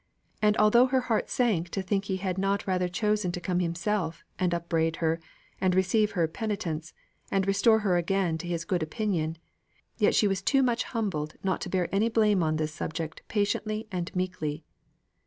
and although her heart sank to think he had not rather chosen to come himself, and upbraid her, and receive her penitence, and restore her again to his good opinion, yet she was too much humbled not to bear any blame on this subject patiently and meekly.